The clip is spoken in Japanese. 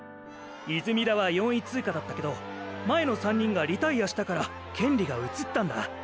泉田は４位通過だったけど前の３人がリタイアしたから権利が移ったんだ。